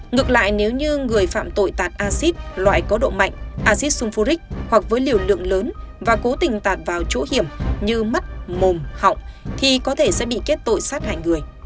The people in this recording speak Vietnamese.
ngược lại nếu như người phạm tội tạt acid loại có độ mạnh acid sulfuric hoặc với liều lượng lớn và cố tình tạt vào chỗ hiểm như mắt mùm họng thì có thể sẽ bị kết tội sát hại người